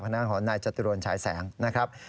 คณะของนายจตุรนชายแสงนะครับ